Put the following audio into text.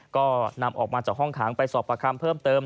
ก็นำออกมาจากห้องขังไปสอบประคำเพิ่มเติม